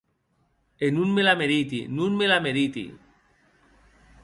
E non me la meriti, non me la meriti.